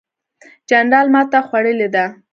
جنرال ماته خوړلې ده.